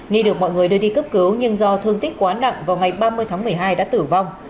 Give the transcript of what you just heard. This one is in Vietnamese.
ni được mọi người đưa đi cấp cứu nhưng do thương tích quá nặng vào ngày ba mươi tháng một mươi hai đã tử vong